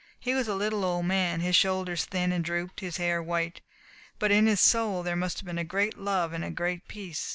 He was a little, old man, his shoulders thin and drooped, his hair white. But in his soul there must have been a great love and a great peace.